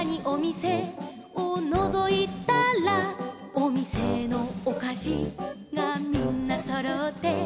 「おみせのおかしがみんなそろって」